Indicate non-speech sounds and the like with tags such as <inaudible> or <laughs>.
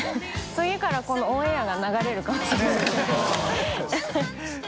次からこのオンエアが流れるかもしれないですね <laughs> ）